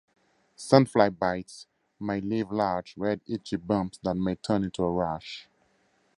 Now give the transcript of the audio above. Sandfly bites may leave large, red itchy bumps that may turn into a rash.